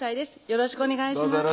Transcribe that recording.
よろしくお願いします